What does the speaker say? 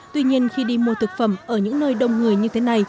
tuy nhiên khi đi mua thực phẩm ở những nơi đông người như thế này